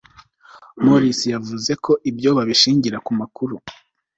moriss yavuze ko ibyo babishingira ku makuru